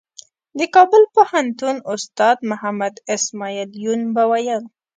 د کابل پوهنتون استاد محمد اسمعیل یون به ویل.